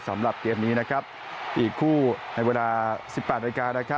สำหรับเกมนี้อีกคู่ในเวลา๑๘นาฬิกา